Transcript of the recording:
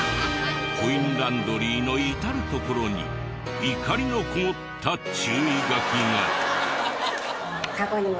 コインランドリーの至る所に怒りのこもった注意書きが。